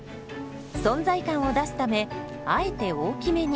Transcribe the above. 存在感を出すためあえて大きめに。